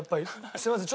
すみません。